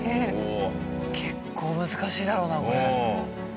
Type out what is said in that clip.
結構難しいだろうなこれ。